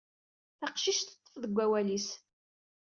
Taqcict teṭṭef deg wawal-is.